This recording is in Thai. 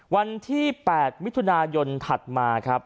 วันที่๘มิถุนายนถัดมาครับ